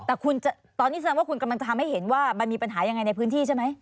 แต่ตอนนี้คุณกำลังจะทำให้เห็นว่ามันมีปัญหาอย่างไรในพื้นที่ใช่ไหม